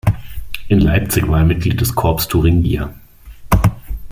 In Leipzig war er Mitglied des Corps Thuringia.